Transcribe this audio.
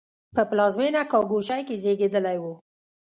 په پلازمېنه کاګوشی کې زېږېدلی و.